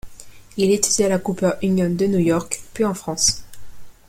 Il étudia à la Cooper Union de New York puis en France.